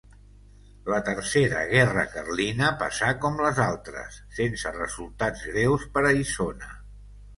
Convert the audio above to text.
La Tercera guerra carlina passà com les altres: sense resultats greus per a Isona.